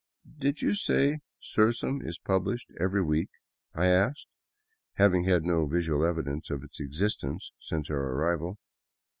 " Did you say * Sursum ' is published every week ?" I asked, having had no visual evidence of its existence since our arrival.